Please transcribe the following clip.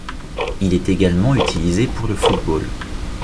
Il est également utilisé pour le football.